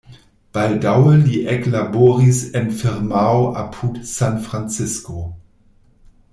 Baldaŭe li eklaboris en firmao apud San Francisco.